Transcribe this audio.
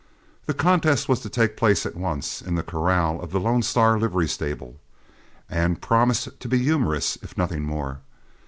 The contest was to take place at once in the corral of the Lone Star livery stable, and promised to be humorous if nothing more.